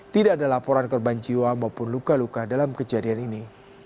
tidak ada laporan korban jiwa maupun luka luka dalam kejadian ini